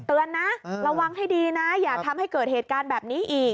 เตือนนะระวังให้ดีนะอย่าทำให้เกิดเหตุการณ์แบบนี้อีก